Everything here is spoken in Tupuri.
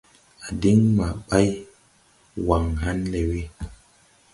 A diŋ maa ɓay, waŋ ha̧n lɛ wɛ.